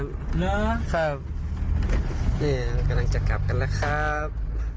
หรือครับนี่เรากำลังจะกลับกันแล้วครับ